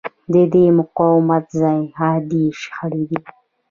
د دې مقاومت ځای حادې شخړې دي.